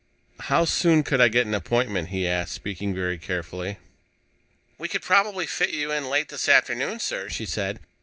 "How soon could I get an appointment?" he asked, speaking very carefully. "We could probably fit you in late this afternoon, sir," she said.